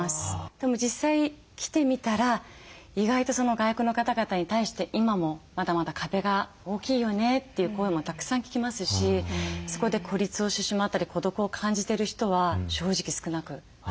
でも実際来てみたら意外と外国の方々に対して今もまだまだ壁が大きいよねという声もたくさん聞きますしそこで孤立をしてしまったり孤独を感じてる人は正直少なくありません。